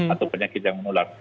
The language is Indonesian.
atau penyakit yang mulak